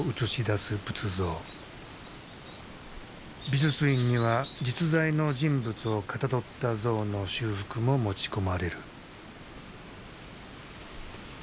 美術院には実在の人物をかたどった像の修復も持ち込まれる。